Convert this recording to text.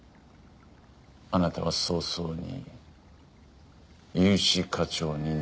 あなたは早々に融資課長になれますよ。